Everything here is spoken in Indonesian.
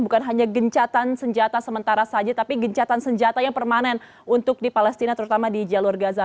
bukan hanya gencatan senjata sementara saja tapi gencatan senjata yang permanen untuk di palestina terutama di jalur gaza